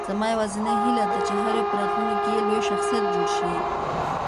زما یوازینۍ هیله ده، چې هر یو په راتلونکې کې لوی شخصیت جوړ شي.